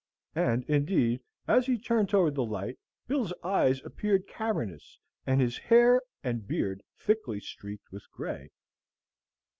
And indeed, as he turned toward the light, Bill's eyes appeared cavernous, and his hair and beard thickly streaked with gray.